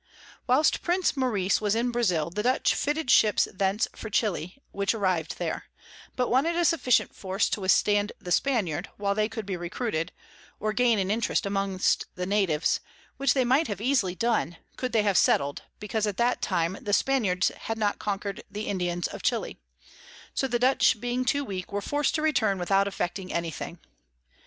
Whilst Prince Maurice was in Brazile, the Dutch fitted Ships thence for Chili, which arriv'd there: but wanted a sufficient Force to withstand the Spaniard, while they could be recruited, or gain an Interest amongst the Natives, which they might have easily done, could they have settled, because at that time the Spaniards had not conquer'd the Indians of Chili; so the Dutch being too weak, were forc'd to return without effecting any thing.